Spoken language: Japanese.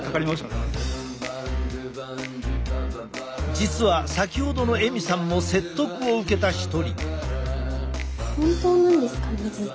実は先ほどのエミさんも説得を受けた一人。